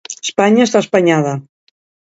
Espanya està espanyada.